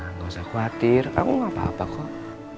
enggak usah khawatir aku nggak apa apa kok